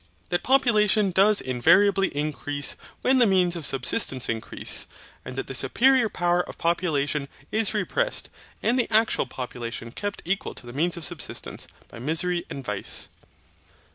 That population does invariably increase when the means of subsistence increase. And that the superior power of population it repressed, and the actual population kept equal to the means of subsistence, by misery and vice?